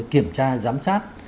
kiểm tra giám sát